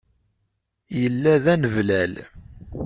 Yella d aneblal.